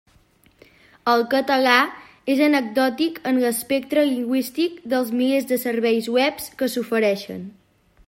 El català és anecdòtic en l'espectre lingüístic dels milers de serveis webs que s'ofereixen.